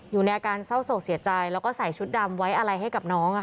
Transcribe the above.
อยู่ในอาการเศร้าโศกเสียใจแล้วก็ใส่ชุดดำไว้อะไรให้กับน้อง